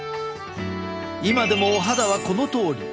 今でもお肌はこのとおり。